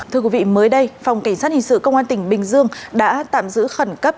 thưa quý vị mới đây phòng cảnh sát hình sự công an tỉnh bình dương đã tạm giữ khẩn cấp